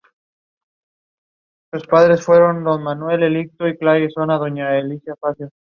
El castillo se encuentra sobre un promontorio rocoso rematado.